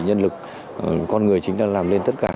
nhân lực con người chính đã làm lên tất cả